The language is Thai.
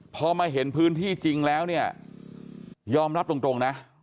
พอมาเห็นพื้นที่จริงแล้วเนี่ยยอมรับตรงนะ